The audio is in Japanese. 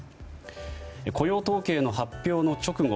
雇用統計の発表の直後